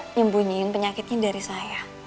nyembunyiin penyakitnya dari saya